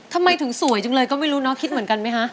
ทำไมถึงสวยจังเลยก็ไม่รู้เนาะคิดเหมือนกันไหมคะ